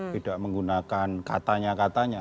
tidak menggunakan katanya katanya